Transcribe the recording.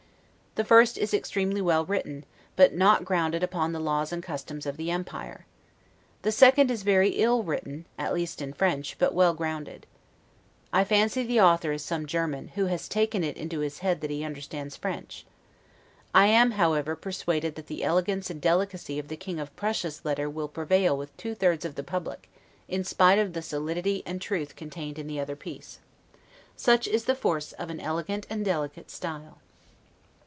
The first is extremely well written, but not grounded upon the laws and customs of the empire. The second is very ill written (at least in French), but well grounded. I fancy the author is some German, who has taken into his head that he understands French. I am, however, persuaded that the elegance and delicacy of the King of Prussia's letter will prevail with two thirds of the public, in spite of the solidity and truth contained in the other piece. Such is the force of an elegant and delicate style!